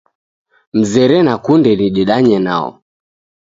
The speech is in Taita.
Mzere nakunde nidedanye nao.